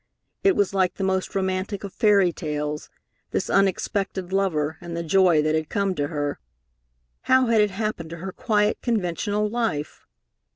It was like the most romantic of fairy tales, this unexpected lover and the joy that had come to her. How had it happened to her quiet, conventional life?